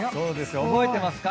覚えてますか？